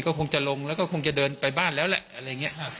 ก็คงจะลงแล้วก็คงจะเดินไปบ้านแล้วแหละอะไรอย่างนี้